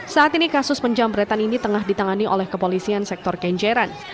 saat ini kasus penjamretan ini tengah ditangani oleh kepolisian sektor kenjeran